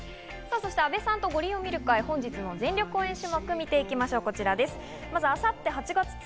そして阿部さんと五輪を見る会、本日の全力応援種目を見ていきます、こちらです。